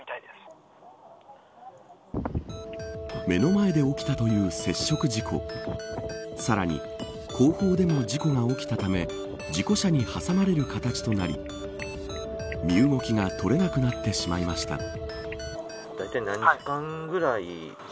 目の前で起きたという接触事故さらに後方でも事故が起きたため事故車に挟まれる形となり身動きが取れなくなってしまいました。